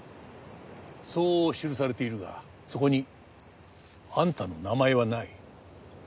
そう記されているがそこにあんたの名前はない。